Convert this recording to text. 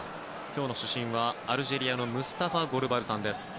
今日の主審はアルジェリアのムスタファ・ゴルバルさん。